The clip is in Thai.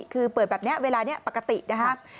คือเปิดแบบนี้เวลานี้ปกตินะครับ